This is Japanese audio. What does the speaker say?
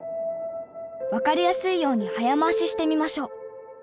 分かりやすいように早回ししてみましょう。